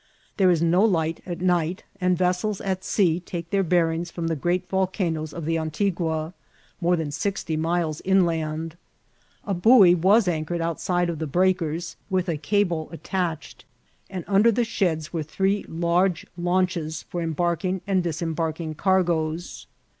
There is no light at night, and vessels at sea take their bearings from the great volcanoes of the Antigua, more than six ty miles inland. A buoy was anchored outside of the breakers, with a cable attached, and under the sheds were three large launches for embarking and disem barking cargoes.